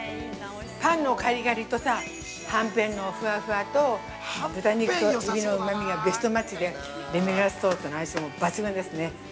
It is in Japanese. パンのカリカリとさ、はんぺんのふわふわと豚肉とエビのうまみがベストマッチでレミグラスソースとの相性も抜群ですね。